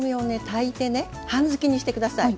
炊いてね半づきにして下さい。